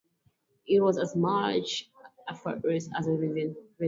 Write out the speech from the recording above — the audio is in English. It was as much a fortress as a residence.